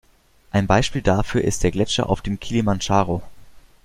Ein Beispiel dafür ist der Gletscher auf dem Kilimandscharo.